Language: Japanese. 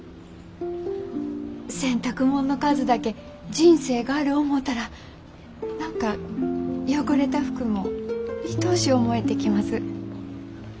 洗濯もんの数だけ人生がある思うたら何か汚れた服もいとおしゅう思えてきます。